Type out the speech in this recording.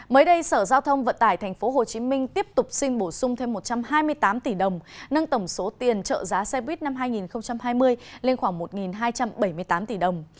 mới đây sở giao thông vận tải tp hcm tiếp tục xin bổ sung thêm một trăm hai mươi tám tỷ đồng